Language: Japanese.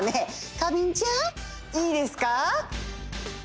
花びんちゃんいいですか？